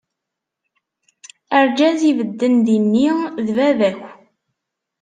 Arǧaz i bedden dinni d baba-kw